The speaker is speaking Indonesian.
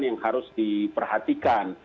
yang harus diperhatikan